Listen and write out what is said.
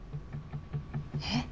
え？